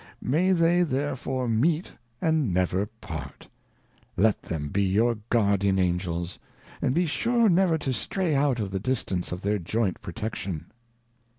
May they there fore meet and never part ; let tliem be your Guardian Angels, and be sure never to stray out of the distance of their joint protection.